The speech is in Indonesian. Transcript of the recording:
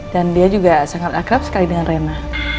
dan dia juga sangat akrab sekali dengan rena